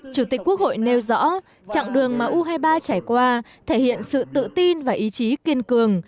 chủ tịch quốc hội nêu rõ chặng đường mà u hai mươi ba trải qua thể hiện sự tự tin và ý chí kiên cường